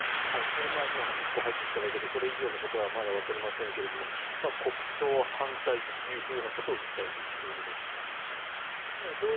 これ今、一報が入ってきただけでこれ以上のことはまだわかりませんが国葬反対というふうなことを訴えていたということですが浜田さん。